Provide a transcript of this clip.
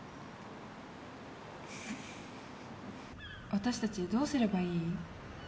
私たちどうすればいい？